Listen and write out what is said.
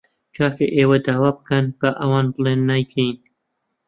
کاکە ئێوە داوا بکەن، با ئەوان بڵێن نایکەین